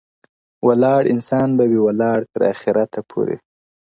ولاړ انسان به وي ولاړ تر اخریته پوري ـ